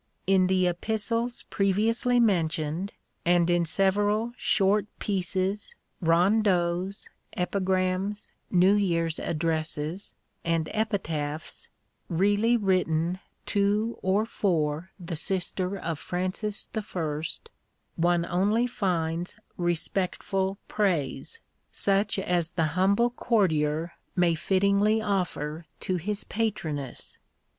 In the epistles previously mentioned, and in several short pieces, rondeaux, epigrams, new years' addresses, and epitaphs really written to or for the sister of Francis I., one only finds respectful praise, such as the humble courtier may fittingly offer to his patroness.